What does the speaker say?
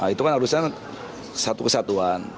itu kan harusnya satu kesatuan